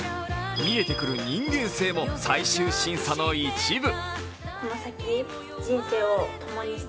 見えてくる人間性も最終審査の一部。